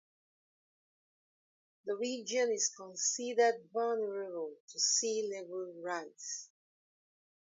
The region is considered vulnerable to sea-level rise.